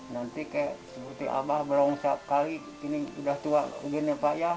nanti kayak seperti abah belum setiap kali ini udah tua uginnya pak yah